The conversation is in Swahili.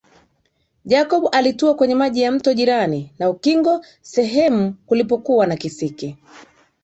Jacob alitua kwenye maji ya mto jirani na ukingo sehemu kulipokuwa na kisiki